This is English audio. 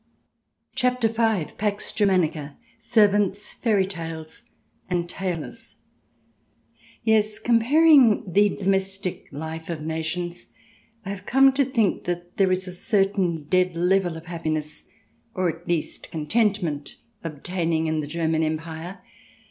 CHAPTER V PAX GERMANICA: SERVANTS, FAIRY TALES, AND TAILORS Yes, comparing the domestic life of nations, I have come to think that there is a certain dead level of happiness, or at least contentment, obtaining in the German Empire.